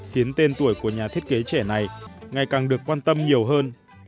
khiến tên tuổi của nhà thiết kế trẻ này ngày càng được quan tâm nhiều hơn